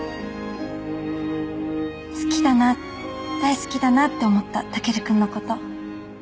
好きだな大好きだなって思ったタケルくんのこと。